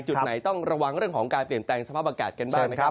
จุดไหนต้องระวังเรื่องของการเปลี่ยนแปลงสภาพอากาศกันบ้างนะครับ